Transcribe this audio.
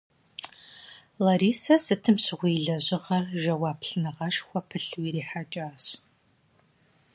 Ларисэ сытым щыгъуи и лэжьыгъэр жэуаплыныгъэшхуэ пылъу ирихьэкӏащ.